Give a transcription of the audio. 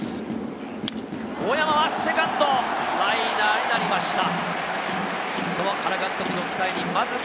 大山はセカンド、ライナーになりました。